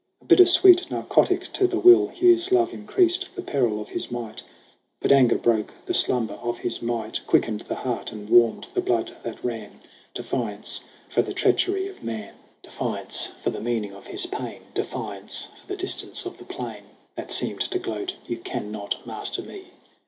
A bitter sweet narcotic to the will, Hugh's love increased the peril of his plight ; But anger broke the slumber of his might, Quickened the heart and warmed the blood that ran Defiance for the treachery of Man, THE AWAKENING 35 Defiance for the meaning of his pain, Defiance for the distance of the plain That seemed to gloat, 'You can not master me.'